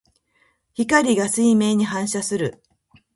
光が水面に反射する。